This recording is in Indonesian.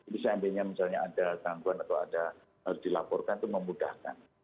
bisa ambilnya misalnya ada tangguhan atau ada dilaporkan itu memudahkan